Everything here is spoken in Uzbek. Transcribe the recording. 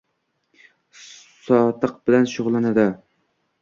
-sotiq bilan shug'ullanadi: